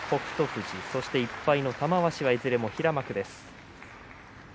富士、そして１敗の玉鷲はいずれも平幕です。